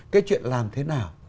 cái chuyện làm thế nào